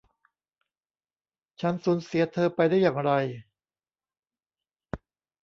ฉันสูญเสียเธอไปได้อย่างไร